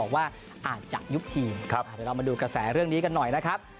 ว่าอาจจะยุบทีมเดี๋ยวเรามาดูกระแสเรื่องนี้กันหน่อยนะครับ